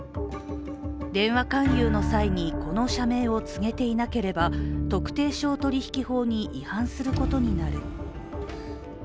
電話勧誘の際にこの社名を告げていなければ特定商取引法に違反することになる。